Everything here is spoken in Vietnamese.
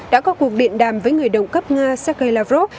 đã có cuộc điện đàm với người đồng cấp nga sergei lavrov